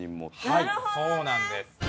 はいそうなんです。